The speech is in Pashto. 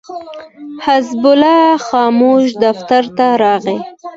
حزب الله خاموش دفتر ته راغی.